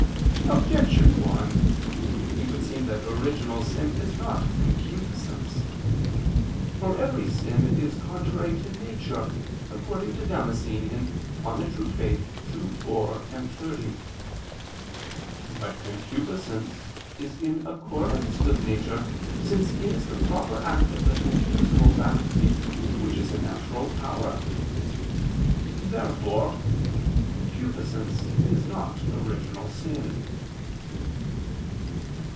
Objection 1: It would seem that original sin is not concupiscence. For every sin is contrary to nature, according to Damascene (De Fide Orth. ii, 4, 30). But concupiscence is in accordance with nature, since it is the proper act of the concupiscible faculty which is a natural power. Therefore concupiscence is not original sin.